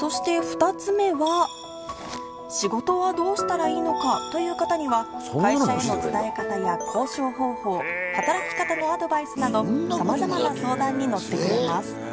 そして２つ目は仕事はどうしたらいいのかという方には会社への伝え方や交渉方法働き方のアドバイスなどさまざまな相談に乗ってくれます。